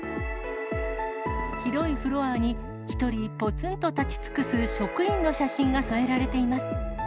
広いフロアに、１人ぽつんと立ち尽くす職員の写真が添えられています。